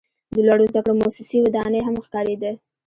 د لوړو زده کړو موسسې ودانۍ هم ښکاریده.